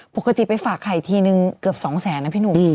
ปกติไปฝากไข่ทีนึงเกือบ๒แสนนะพี่หนุ่ม